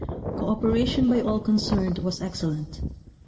Cooperation by all concerned was excellent.